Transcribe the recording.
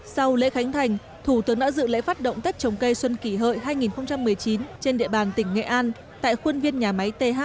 sau lễ khánh thành thủ tướng đã dự lễ phát động tết trồng cây xuân kỷ hợi hai nghìn một mươi chín trên địa bàn tỉnh nghệ an tại khuôn viên nhà máy t hai